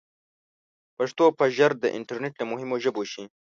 پښتو به ژر د انټرنیټ له مهمو ژبو شي.